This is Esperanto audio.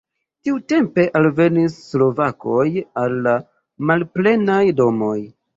Tiutempe alvenis slovakoj al la malplenaj domoj.